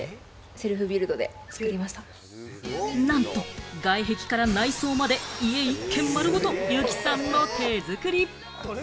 なんと外壁から内装まで、家一軒丸ごと由季さんの手作り。